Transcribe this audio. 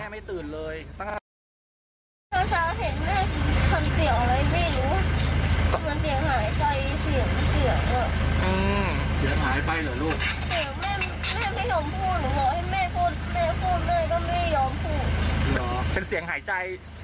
ไม่รู้ว่าเป็นเสียงอะไร